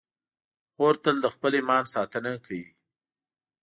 خور تل د خپل ایمان ساتنه کوي.